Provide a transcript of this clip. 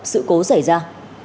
sự cố xảy ra